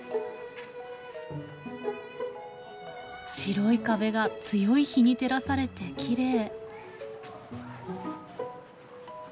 白い壁が強い日に照らされてきれい。